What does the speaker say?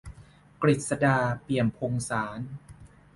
กฤษฎา เปี่ยมพงศ์สานต์